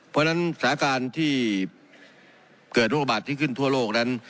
เพราะฉะนั้นสถานการณ์ที่เกิดโรคระบาดที่ขึ้นทั่วโลกนั้น